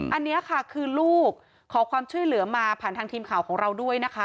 อันนี้ค่ะคือลูกขอความช่วยเหลือมาผ่านทางทีมข่าวของเราด้วยนะคะ